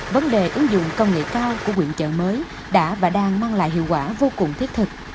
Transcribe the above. vấn đề ứng dụng công nghệ cao của quyện chợ mới đã và đang mang lại hiệu quả vô cùng thiết thực